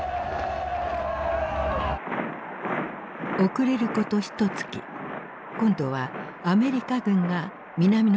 遅れることひとつき今度はアメリカ軍が南のソウルに入った。